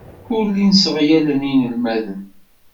Ur llin sseɣyalen inelmaden.